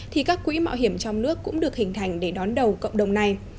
thì các quỹ mạo hiểm trong nước cũng được hình thành để đón đầu cộng đồng này